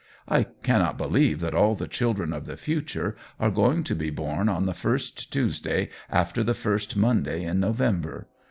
I cannot believe that all the children of the future are going to be born on the first Tuesday after the first Monday in November.